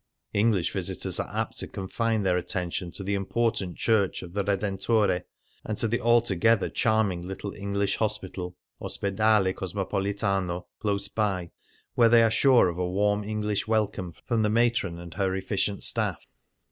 EngHsh visitors are apt to confine their attention to the impor tant church of the Redentore, and to the altogether charming little English hospital (Ospedale Cosmopolitano) close by, where they are sure of a warm English welcome from the matron and her efficient staff.